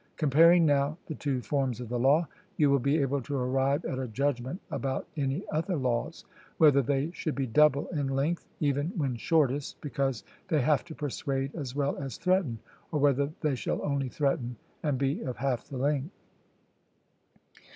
Comparing now the two forms of the law, you will be able to arrive at a judgment about any other laws whether they should be double in length even when shortest, because they have to persuade as well as threaten, or whether they shall only threaten and be of half the length.